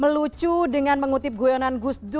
melucu dengan mengutip goyonan gus dur